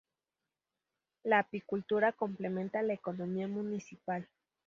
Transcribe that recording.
La apicultura complementa la economía municipal.